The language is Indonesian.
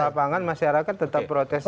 di lapangan masyarakat tetap protes